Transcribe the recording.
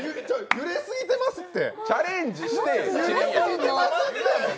揺れすぎてますって。